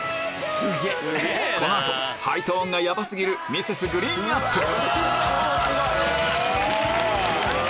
この後ハイトーンがヤバ過ぎるＭｒｓ．ＧＲＥＥＮＡＰＰＬＥ・